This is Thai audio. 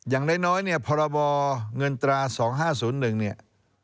อย่างน้อยเนี่ยพรบเงินตรา๒๕๐๑เนี่ย